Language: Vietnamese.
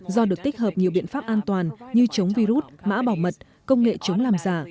do được tích hợp nhiều biện pháp an toàn như chống virus mã bảo mật công nghệ chống làm giả